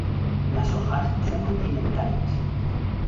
Las hojas son rudimentarias.